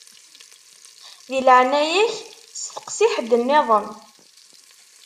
Di leɛnaya-k steqsi ḥedd-nniḍen.